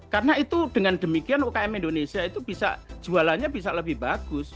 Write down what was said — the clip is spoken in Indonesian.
karena itu dengan demikian ukm indonesia itu bisa jualannya bisa lebih bagus